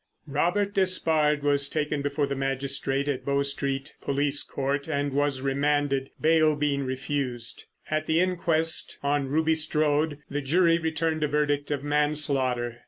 Robert Despard was taken before the magistrate at Bow Street Police Court and was remanded, bail being refused. At the inquest on Ruby Strode the jury returned a verdict of manslaughter.